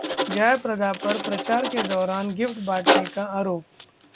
जयाप्रदा पर प्रचार के दौरान गिफ्ट बांटने का आरोप